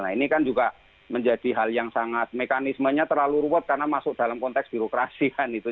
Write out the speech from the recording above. nah ini kan juga menjadi hal yang sangat mekanismenya terlalu ruwet karena masuk dalam konteks birokrasi kan itu